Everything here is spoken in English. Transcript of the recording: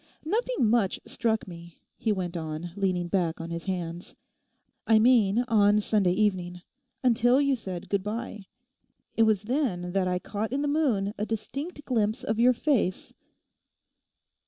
'Nothing much struck me,' he went on, leaning back on his hands, 'I mean on Sunday evening, until you said good bye. It was then that I caught in the moon a distinct glimpse of your face.